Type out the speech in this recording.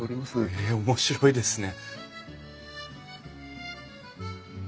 へえ面白いですね。